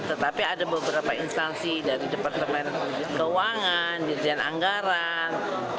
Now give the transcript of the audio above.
tetapi ada beberapa instansi dari departemen keuangan dirjen anggaran